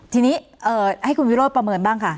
ทีนี้ให้คุณวิโรธประเมินบ้างค่ะ